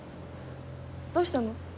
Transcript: どうしたの？